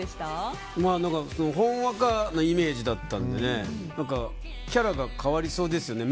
ほんわかなイメージだったのでキャラが変わりそうですよね